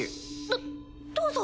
どどうぞ。